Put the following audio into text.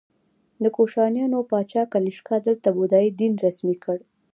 د کوشانیانو پاچا کنیشکا دلته بودايي دین رسمي کړ